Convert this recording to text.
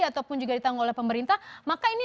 ataupun juga ditanggung oleh pemerintah maka ini